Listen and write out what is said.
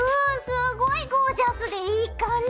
すごいゴージャスでいい感じ。